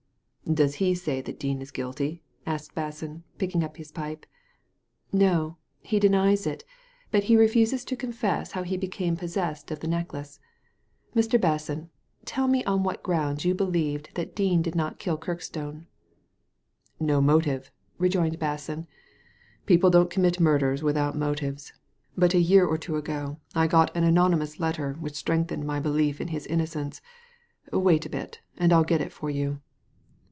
'' Does he say that Dean is guilty ?" asked Basson, picking up his pipe. " No ; he denies it, but refuses to confess how he became possessed of the necklace. Mr, Basson, tell Digitized by Google MISS WEDDERBURN 167 me on what grounds you believed that Dean did not kill Kirkstone." " No motive," rejoined Basson. * People don't com mit murders without motives. But a year or two ago I got an anonymous letter, which strengthened my belief in his innocence. Wait a bit, and Til get it for you."